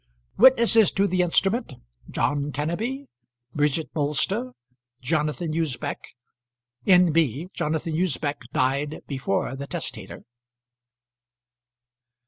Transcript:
Witnesses to the instrument. John Kenneby; Bridget Bolster; Jonathan Usbech. N.B. Jonathan Usbech died before the testator.